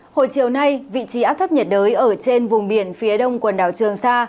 hồi chiều nay vị trí áp thấp nhiệt đới ở trên vùng biển phía đông quần đảo trường sa